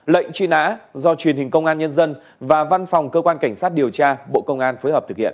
lệnh truy nã do truyền hình công an nhân dân và văn phòng cơ quan cảnh sát điều tra bộ công an phối hợp thực hiện